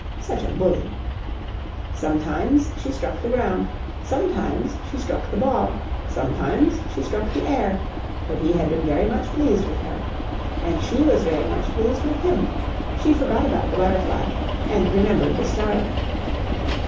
("Such a bully!") Sometimes she struck the ground, sometimes she struck the ball, sometimes she struck the air. But he had been very much pleased with her. And she was very much pleased with him. She forgot about the butterfly and remembered the starling.